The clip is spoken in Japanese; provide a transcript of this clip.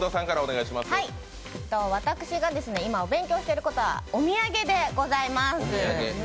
私が今お勉強していることは、お土産でございます。